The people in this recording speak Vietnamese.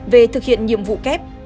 về thực hiện nhiệm vụ kép